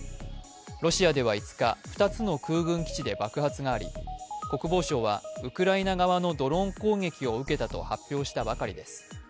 ロシアでは５日、２つの空軍基地で爆発があり国防省は、ウクライナ側のドローン攻撃を受けたと発表したばかりです。